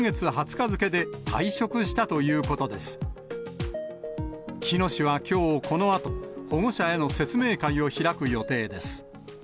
日野市はきょうこのあと、保護者への説明会を開く予定です。